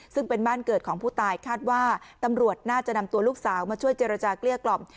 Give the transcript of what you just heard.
ซึ่งเป็นบ้านเกิดของผู้ตายคาดว่าตำรวจน่าจะนำตัวลูกสาวมาช่วยเจรจาเกลี้ยกล่อม